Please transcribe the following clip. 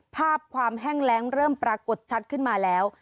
ภาพความแห้งแรงเริ่มปรากฏชัดขึ้นมาแล้ว